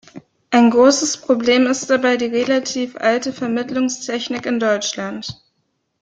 Ein großes Problem ist dabei die relativ alte Vermittlungstechnik in Deutschland.